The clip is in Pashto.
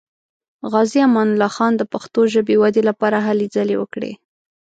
غازي امان الله خان د پښتو ژبې ودې لپاره هلې ځلې وکړې.